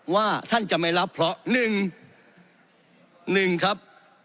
ว่าท่านจะไม่รับเพราะ๑๑ครับ